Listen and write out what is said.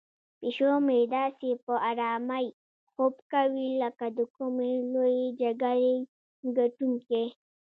پیشو مې داسې په آرامۍ خوب کوي لکه د کومې لویې جګړې ګټونکی.